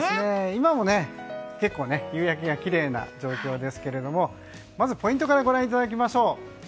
今も結構夕焼けがきれいな状況ですけどもまずポイントからご覧いただきましょう。